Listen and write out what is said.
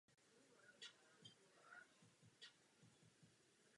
Díky svému postavení a majetku si mohl dovolit rozšířit projekt o reprezentační prostory.